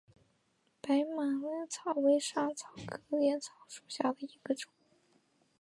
白马薹草为莎草科薹草属下的一个种。